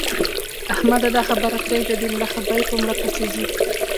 احمده! دا خبرې پرېږده؛ د مړه خبرې په مړه پسې ځي.